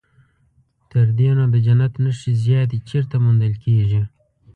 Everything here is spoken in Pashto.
تر دې نو د جنت نښې زیاتې چیرته موندل کېږي.